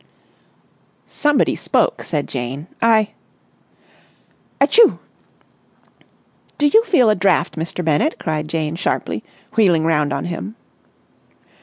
"Somebody spoke," said Jane. "I...." "Achoo!" "Do you feel a draught, Mr. Bennett?" cried Jane sharply, wheeling round on him.